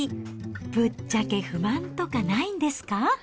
ぶっちゃけ不満とかないんですか。